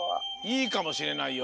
いいかもしれないよ。